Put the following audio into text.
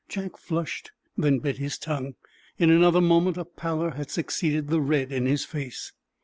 Jack flushed, then bit his tongue. In another moment a pallor had succeeded the red in his face.